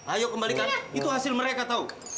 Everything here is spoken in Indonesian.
ayo kembalikan itu hasil mereka tahu